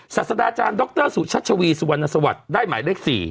ศาสดาอาจารย์ดรสุชัชวีสุวรรณสวัสดิ์ได้หมายเลข๔